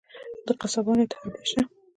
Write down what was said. د قصابانو اتحادیه شته؟